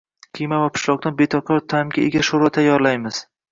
Qiyma va pishloqdan betakror ta’mga ega sho‘rva tayyorlaymiz